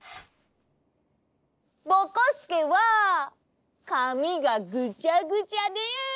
ぼこすけはかみがぐちゃぐちゃで。